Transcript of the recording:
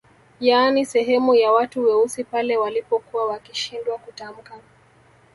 Yaani sehemu ya watu weusi pale walipokuwa wakishindwa kutamka